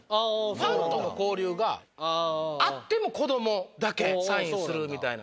ファンとの交流があっても子供だけサインするみたいなね。